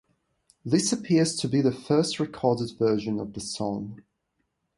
This appears to be the first recorded version of the song.